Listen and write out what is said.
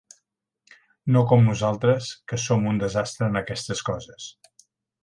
No com nosaltres, que som un desastre en aquestes coses.